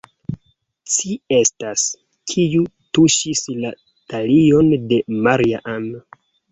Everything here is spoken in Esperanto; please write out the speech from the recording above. ci estas, kiu tuŝis la talion de Maria-Ann!